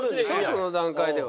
その段階では。